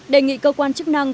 đề nghị cơ quan chức năng